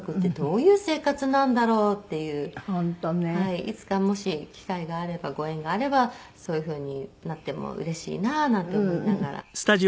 「いつかもし機会があればご縁があればそういうふうになってもうれしいななんて思いながら」